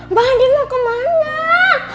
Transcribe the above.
mbak adin mau kemana